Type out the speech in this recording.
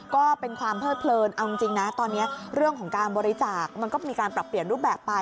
ก็เป็นความเพลิดเพลินเอาจริงนะตอนนี้เรื่องของการบริจาคมันก็มีการปรับเปลี่ยนรูปแบบไป